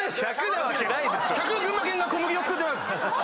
群馬県が小麦を作ってます！